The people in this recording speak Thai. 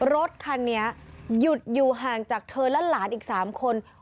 รถคันนี้หยุดอยู่ห่างจากเธอและหลานอีก๓คน